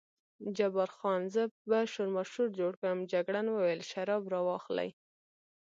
جبار خان: زه به شورماشور جوړ کړم، جګړن وویل شراب را واخلئ.